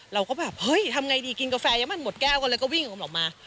เราก็แบบเฮ้ยทำไงดีกินกาแฟยังมันหมดแก้วกันเลยก็วิ่งอมออกมา